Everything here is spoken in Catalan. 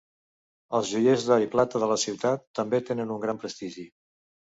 Els joiers d'or i plata de la ciutat també tenen un gran prestigi.